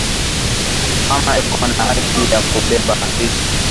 Mama eko na haki ya ku beba vitu kipande kama bwa anakufwa